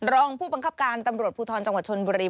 รองผู้บังคับการตำรวจภูทรจังหวัดชนบุรี